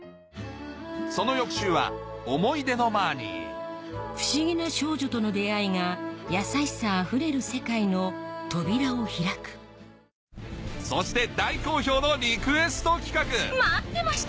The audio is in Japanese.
その翌週は不思議な少女との出会いが優しさあふれる世界の扉を開くそして大好評のリクエスト企画待ってました！